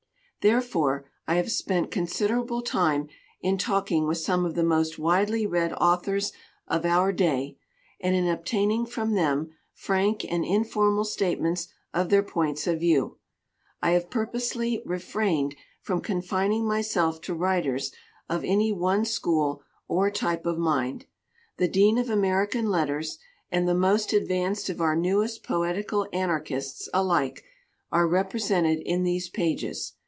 Therefore I have spent considerable time in talking with some of the most widely read authors of our day, and in obtaining from them frank and informal statements of their points of view. I have purposely refrained from confining myself to writers of any one school or type of mind the dean of American letters and the most advanced of our newest poetical anarchists alike are repre sented in these pages.